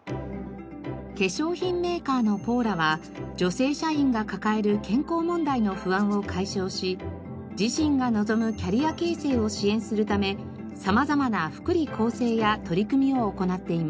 化粧品メーカーのポーラは女性社員が抱える健康問題の不安を解消し自身が望むキャリア形成を支援するため様々な福利厚生や取り組みを行っています。